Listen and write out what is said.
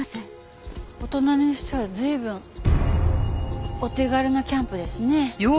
お隣の人は随分お手軽なキャンプですね。